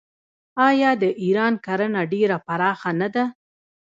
آیا د ایران کرنه ډیره پراخه نه ده؟